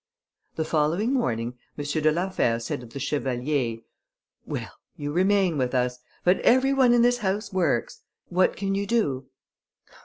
The following morning, M. de la Fère said to the chevalier: "Well! you remain with us; but every one in this house works, what can you do?"